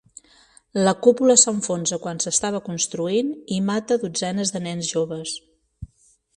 La cúpula s'enfonsa quan s'estava construint i mata dotzenes de nens joves.